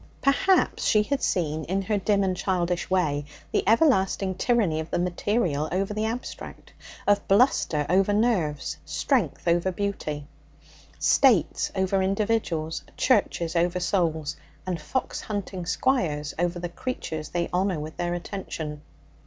Perhaps she had seen in her dim and childish way the everlasting tyranny of the material over the abstract; of bluster over nerves; strength over beauty; States over individuals; churches over souls; and fox hunting squires over the creatures they honour with their attention.